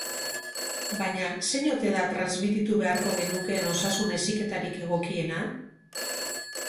Baina, zein ote da transmititu beharko genukeen osasun heziketarik egokiena?